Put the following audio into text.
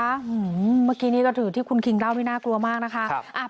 เมื่อกี้นี้ก็ถือที่คุณคิงเล่านี่น่ากลัวมากนะคะ